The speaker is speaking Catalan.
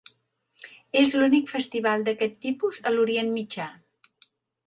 És l'únic festival d'aquest tipus a l'Orient Mitjà.